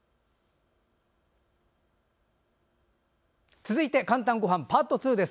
続いて「かんたんごはん」パート２です。